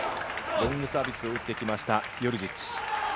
ロングサービスを打ってきました、ヨルジッチ。